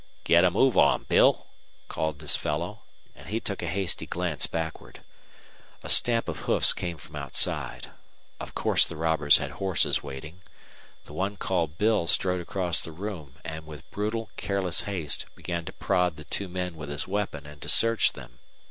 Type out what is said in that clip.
"Git a move on, Bill," called this fellow; and he took a hasty glance backward. A stamp of hoofs came from outside. Of course the robbers had horses waiting. The one called Bill strode across the room, and with brutal, careless haste began to prod the two men with his weapon and to search them.